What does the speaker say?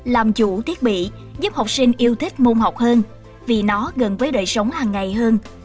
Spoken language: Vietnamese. làm chủ thiết bị giúp học sinh yêu thích môn học hơn vì nó gần với đời sống hàng ngày hơn